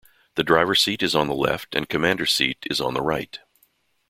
The driver's seat is on the left and commander's seat is on the right.